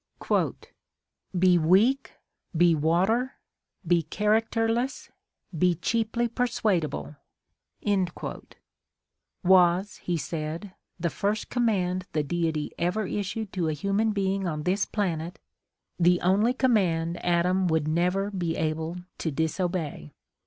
"Be weak, be Mark Twain's Despair 13 water, be characterless, be cheaply persuadable" was, he said, the first command the Deity ever issued to a human being on this planet, the only command Adam would never be able to disobey.